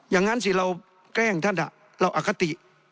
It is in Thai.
อย่างนั้นสิเราแกล้งท่านเราอคติ